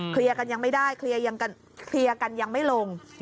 กันยังไม่ได้เคลียร์กันยังไม่ลง